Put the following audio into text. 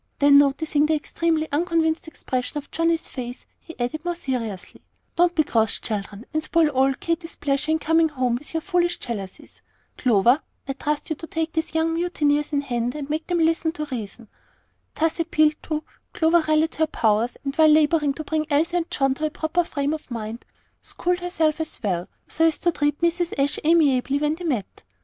Then noticing the extremely unconvinced expression of Johnnie's face, he added more seriously, "Don't be cross, children, and spoil all Katy's pleasure in coming home, with your foolish jealousies. Clover, I trust to you to take these young mutineers in hand and make them listen to reason." Thus appealed to, Clover rallied her powers, and while laboring to bring Elsie and John to a proper frame of mind, schooled herself as well, so as to be able to treat Mrs. Ashe amiably when they met.